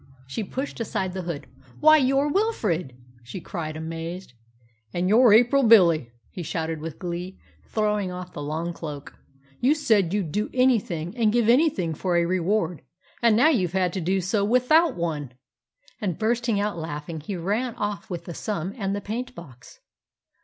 She pushed aside the hood. "Why, you're Wilfrid!" she cried, amazed. "And you're April Billy!" he shouted with glee, throwing off the long cloak. "You said you'd do anything and give anything for a reward, and now you've had to do so without one!" And, bursting out laughing, he ran off with the sum and the paint box.